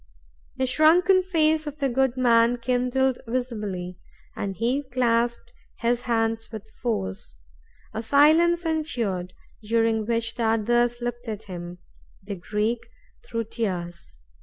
The shrunken face of the good man kindled visibly, and he clasped his hands with force. A silence ensued, during which the others looked at him, the Greek through tears.